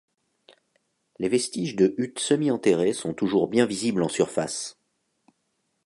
Les vestiges de huttes semi-enterrées sont toujours bien visibles en surface.